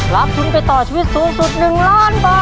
รับทุนไปต่อชีวิตสูงสุด๑ล้านบาท